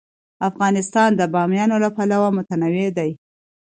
افغانستان د بامیان له پلوه متنوع دی.